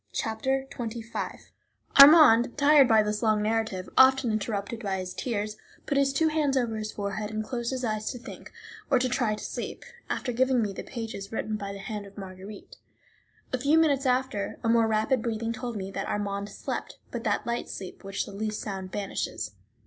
Chapter XXV Armand, tired by this long narrative, often interrupted by his tears, put his two hands over his forehead and closed his eyes to think, or to try to sleep, after giving me the pages written by the hand of Marguerite. A few minutes after, a more rapid breathing told me that Armand slept, but that light sleep which the least sound banishes.